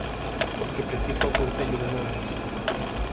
Os que precisa o concello de Molgas.